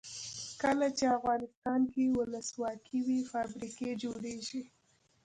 کله چې افغانستان کې ولسواکي وي فابریکې جوړیږي.